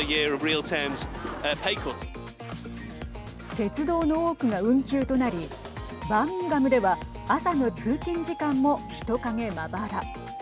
鉄道の多くが運休となりバーミンガムでは朝の通勤時間も人影まばら。